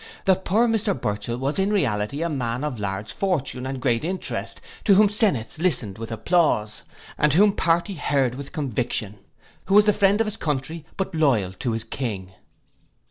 The poor Mr Burchell was in reality a man of large fortune and great interest, to whom senates listened with applause, and whom party heard with conviction; who was the friend of his country, but loyal to his king.